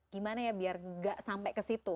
gimana ya biar nggak sampai ke situ